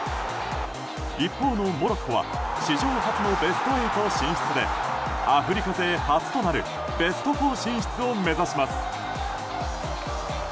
一方のモロッコは史上初のベスト８進出でアフリカ勢初となるベスト４進出を目指します。